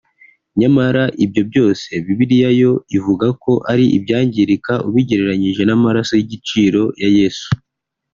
Nyamara ibyo byose Bibiliya yo ivuga ko ari ibyangirika ubigereranyije n’amaraso y’igiciro ya Yesu